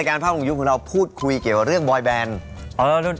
ภาพของยุคของเราพูดคุยเกี่ยวกับเรื่องบอยแบน